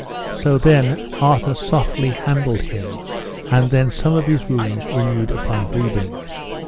So then Arthur softly handled him, and then some of his wounds renewed upon bleeding.